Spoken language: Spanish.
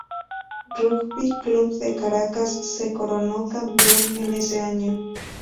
Rugby Club de Caracas se coronó campeón en ese año.